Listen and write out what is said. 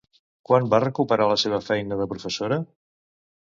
Quan va recuperar la seva feina de professora?